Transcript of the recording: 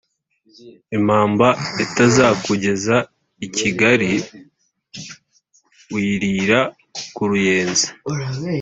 Impamba itazakugeza i Kigali uyirira ku Ruyenzi.